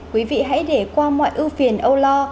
quý vị hãy để qua mọi ưu phiền âu lo